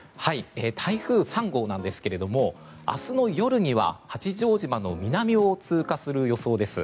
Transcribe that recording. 台風３号なんですが明日の夜には八丈島の南を通過する予想です。